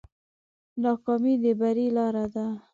ناکامي د بری لاره ده.